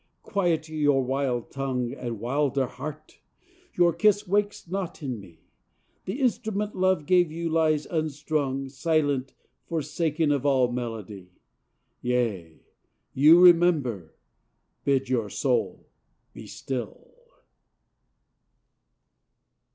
Quiet your wild tongue And wilder heart. Your kiss wakes naught in me. The instrument love gave you lies unstrung, Silent, forsaken of all melody. Yea, you remember! Bid your soul be still!